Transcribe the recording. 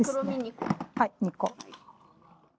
はい２個。